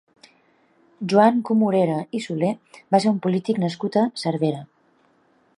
Joan Comorera i Soler va ser un polític nascut a Cervera.